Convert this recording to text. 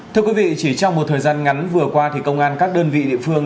thưa quý vị chỉ trong một thời gian ngắn vừa qua thì công an các đơn vị địa phương